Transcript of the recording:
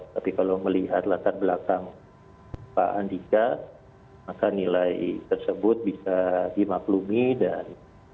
tapi kalau melihat latar belakang pak andika maka nilai tersebut bisa dimaklumi dan